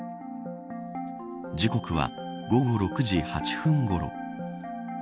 時刻は午後６時８分ごろ。